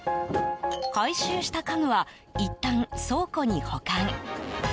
回収した家具はいったん倉庫に保管。